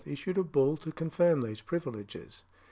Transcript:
issued a bull to confirm these privileges.